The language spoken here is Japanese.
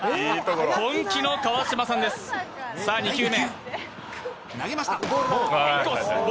本気の川島さんです、２球目。